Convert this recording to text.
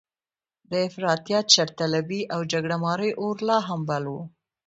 د افراطیت، شرطلبۍ او جګړه مارۍ اور لا هم بل و.